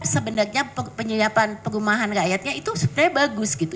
sebenarnya penyediaan perumahan rakyatnya itu sebenarnya bagus gitu